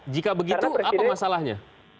jika begitu apa masalahnya